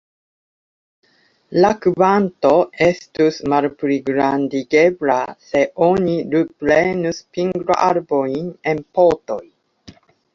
La kvanto estus malpligrandigebla, se oni luprenus pingloarbojn en potoj.